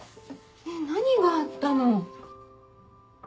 えっ何があったの？